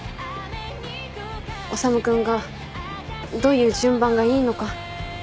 修君がどういう順番がいいのか。